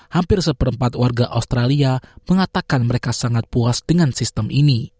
hampir seperempat warga australia mengatakan mereka sangat puas dengan sistem ini